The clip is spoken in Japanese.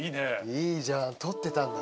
いいじゃん撮ってたんだ。